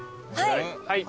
はい。